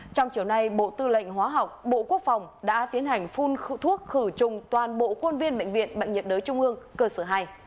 trong chiều nay bộ tư lệnh hóa học bộ quốc phòng đã tiến hành phun thuốc khử trùng toàn bộ khuôn viên bệnh viện bệnh nhiệt đới trung ương cơ sở hai